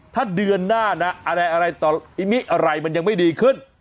ถ้าเดือนหน้านะอะไรมันยังไม่ดีขึ้น